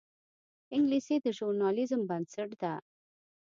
انګلیسي د ژورنالیزم بنسټ ده